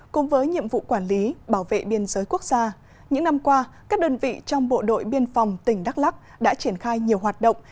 cùng với nhiệm vụ quản lý bảo vệ biên giới quốc gia những năm qua các đơn vị trong bộ đội biên phòng tỉnh đắk lắc đã triển khai nhiều hoạt động